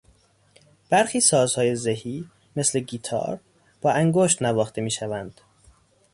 برخی سازهای زهی مثل گیتار با انگشت نواخته میشوند.